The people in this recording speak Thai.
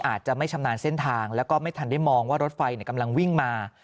อาจจะไม่ชำนาญเส้นทางแล้วก็ไม่ทันได้มองว่ารถไฟกำลังวิ่งมา